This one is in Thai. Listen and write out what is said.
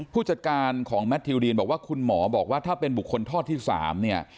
ผู้จัดการของแมททิวดีนบอกว่าคุณหมอบอกว่าถ้าเป็นบุคคลทอดที่๓เนี่ย